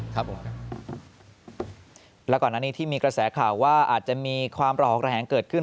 ครับผมแล้วก่อนหน้านี้ที่มีกระแสข่าวว่าอาจจะมีความหล่องระแหงเกิดขึ้น